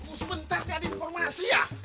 oh sebentar gak ada informasi ya